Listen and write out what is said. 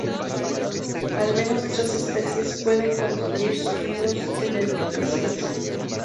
Al menos tres especies pueden construir sus nidos en edificaciones.